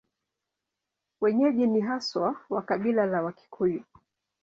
Wenyeji ni haswa wa kabila la Wakikuyu.